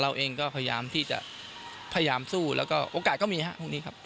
เราก็พยายามที่จะพยายามสู้แล้วก็โอกาสก็มีฮะพวกนี้ครับ